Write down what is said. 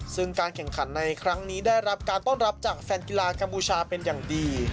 ซึ่งการแข่งขันในครั้งนี้ได้รับการต้อนรับจากแฟนกีฬากัมพูชาเป็นอย่างดี